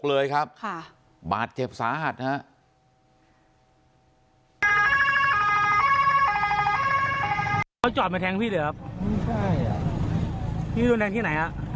เลยครับใช่บาดเจ็บสาหัสนะฮะ